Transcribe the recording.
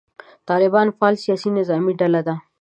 طالبان فعاله سیاسي نظامي ډله ده.